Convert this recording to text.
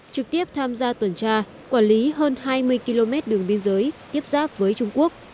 trực tiếp tham gia tuần tra quản lý hơn hai mươi km đường biên giới tiếp giáp với trung quốc